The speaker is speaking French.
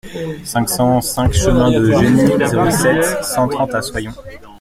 cinq cent cinq chemin de Geny, zéro sept, cent trente à Soyons